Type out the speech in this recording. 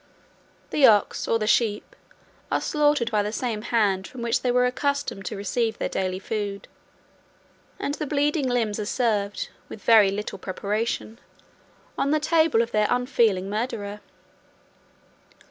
The ox, or the sheep, are slaughtered by the same hand from which they were accustomed to receive their daily food; and the bleeding limbs are served, with very little preparation, on the table of their unfeeling murderer.